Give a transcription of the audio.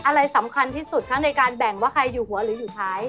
อะไรสำคัญที่สุดคะในการแบ่งว่าใครอยู่หัวหรืออยู่ท้าย